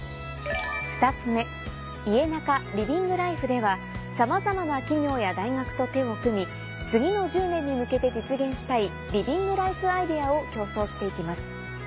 ２つ目「家ナカリビングライフ」では様々な企業や大学と手を組み次の１０年に向けて実現したいリビングライフアイデアを共創していきます。